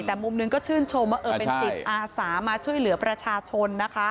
แต่มุมหนึ่งก็ชื่นชมว่าเป็นจิตอาสามาช่วยเหลือประชาชนนะคะ